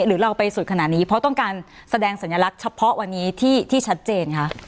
หรือเราไปสุดขนาดนี้เพราะต้องการแสดงสัญลักษณ์เฉพาะวันนี้ที่ชัดเจนคะ